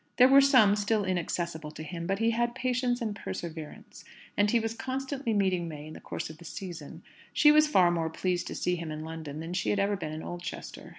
There were some still inaccessible to him; but he had patience and perseverance. And he was constantly meeting May in the course of the season. She was far more pleased to see him in London than she had ever been in Oldchester.